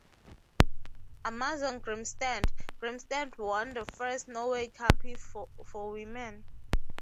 Amazon Grimstad Grimstad won the first Norway Cup for women.